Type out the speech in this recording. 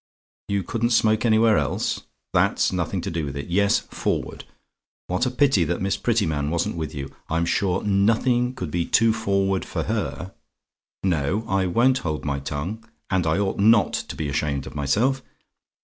"YOU COULDN'T SMOKE ANYWHERE ELSE? "That's nothing to do with it. Yes; forward. What a pity that Miss Prettyman wasn't with you! I'm sure nothing could be too forward for her. No, I won't hold my tongue; and I ought not to be ashamed of myself.